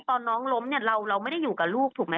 อันนี้ไม่รู้อ่ะ